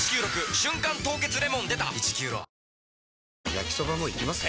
焼きソバもいきます？